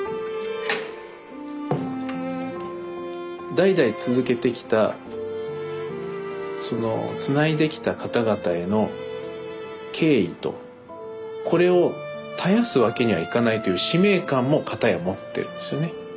代々続けてきたつないできた方々への敬意とこれを絶やすわけにはいかないという使命感も片や持ってるんですよね。